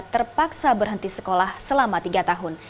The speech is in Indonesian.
terpaksa berhenti sekolah selama tiga tahun